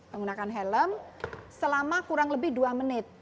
menggunakan helm selama kurang lebih dua menit